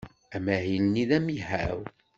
Amahil-nni d amihaw.